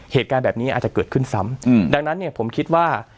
เหตุการณ์แบบนี้อาจจะเกิดขึ้นซ้ำดังนั้นเนี่ยผมคิดว่า